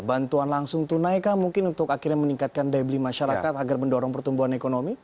bantuan langsung tunai kah mungkin untuk akhirnya meningkatkan daya beli masyarakat agar mendorong pertumbuhan ekonomi